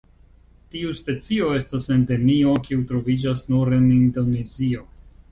Tiu specio estas Endemio kiu troviĝas nur en Indonezio.